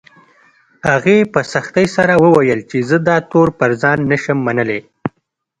هغې په سختۍ سره وويل چې زه دا تور پر ځان نه شم منلی